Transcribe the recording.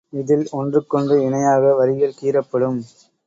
இதில் ஒன்றுக்கொன்று இணையாக வரிகள் கீறப்படும்.